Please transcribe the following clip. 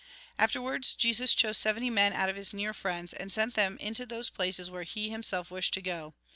Afterwards, Jesus chose seventy men out of Ms near friends, and sent them into those places where he himself wished to go.